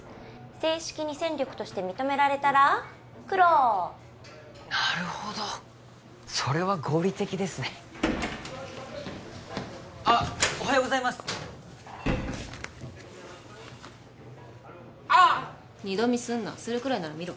正式に戦力として認められたら黒なるほどそれは合理的ですねあっおはようございますあっ二度見すんなするくらいなら見ろ